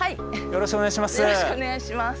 よろしくお願いします。